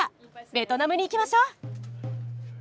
ベトナムに行きましょう。